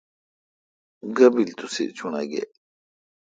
گیبل تسے چوݨاگیل ۔